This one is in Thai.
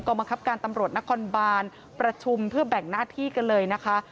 บังคับการตำรวจนครบานประชุมเพื่อแบ่งหน้าที่กันเลยนะคะ